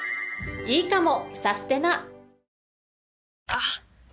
あっ！